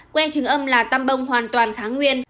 que chứng âm là tăm bông hoàn toàn kháng nguyên